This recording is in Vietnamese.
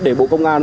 để bộ công an